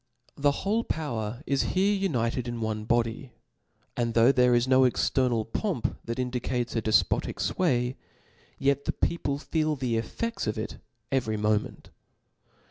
The whole power is here united in one fatody i and though there is no external pomp that indicates a delpotic fway, yet the people feel the effeds of it every moment.